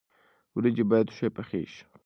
ورجې باید ښې پخې شي.